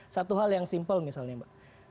satu hal yang simpel misalnya mbak